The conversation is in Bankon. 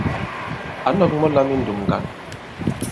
Ǎ nɔ̄k mɔ̄ lām I ǹndùm ŋgǎn.